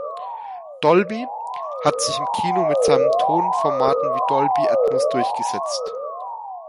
Dolby hat sich im Kino mit seinen Tonformaten wie Dolby Atmos durchgesetzt.